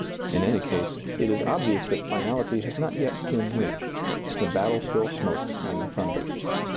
In any case, it is obvious that finality has not yet been reached; the battle still smokes and thunders.